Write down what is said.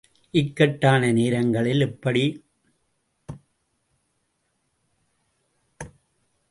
இக்கட்டான நேரங்களில் எப்படி அந்த இன்னல் சூழ்நிலையிலிருந்து விடுபடுவது என்பதும் கற்றுக் கொள்ளப்பட வேண்டிய ஒன்றாகும்.